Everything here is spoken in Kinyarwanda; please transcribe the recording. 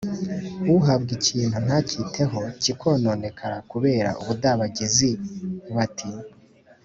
uhabwa ikintu ntakiteho kikononekara kubera ubudabagizi, bati: